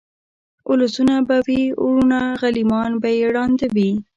اولسونه به وي وروڼه غلیمان به یې ړانده وي